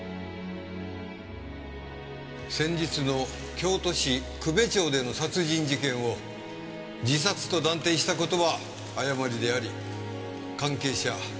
先日の京都市久米町での殺人事件を自殺と断定した事は誤りであり関係者